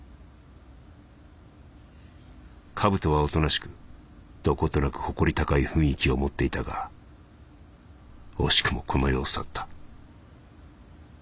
「カブトはおとなしくどことなく誇り高い雰囲気を持っていたが惜しくもこの世を去った」。